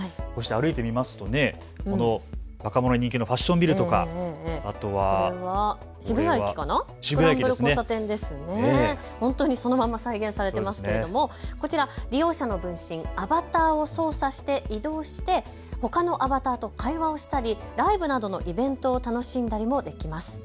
歩いてみますと、若者に人気のファッションビルとか、あとは渋谷駅、本当にそのまま再現されてますけども、こちら、利用者の分身アバターを操作して移動してほかのアバターと会話をしたりライブなどのイベントを楽しんだりもできます。